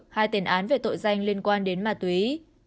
hai tiền án về tội danh liên quan đến ma túy